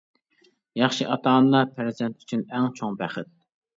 ياخشى ئاتا-ئانا-پەرزەنت ئۈچۈن ئەڭ چوڭ بەخت.